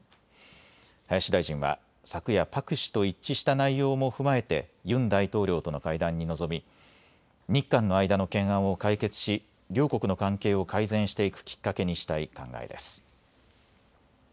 林大臣は昨夜、パク氏と一致した内容も踏まえてユン大統領との会談に臨み日韓の間の懸案を解決し両国の関係を改善していくきっかけにしたい考えです。